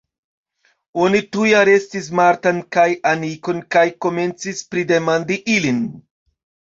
Oni tuj arestis Martan kaj Anikon kaj komencis pridemandi ilin.